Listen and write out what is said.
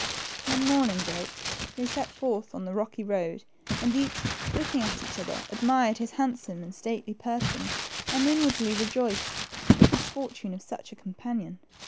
When morning broke, they set forth on the rocky road, and each, looking at the other, admired his handsome and stately person, and inwardly rejoiced at the good fortune of such a companion.